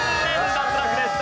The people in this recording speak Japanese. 脱落です。